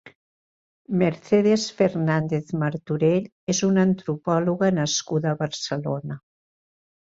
Mercedes Fernández-Martorell és una antropòloga nascuda a Barcelona.